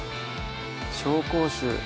紹興酒